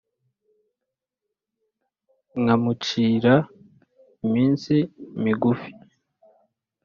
Nkamucira iminsi migufi